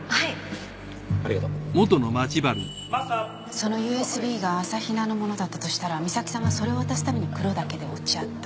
そのＵＳＢが朝比奈のものだったとしたら美咲さんはそれを渡すために黒岳で落ち合った。